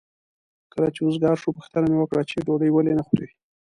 کله چې وزګار شو پوښتنه مې وکړه چې ډوډۍ ولې نه خورې؟